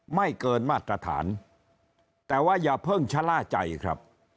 ไม่เกินมาตรฐานแต่ว่าอย่าเพิ่งชะล่าใจครับ